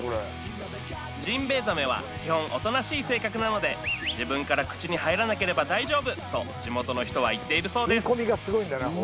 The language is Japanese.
ジンベエザメは基本おとなしい性格なので「自分から口に入らなければ大丈夫」と地元の人は言っているそうです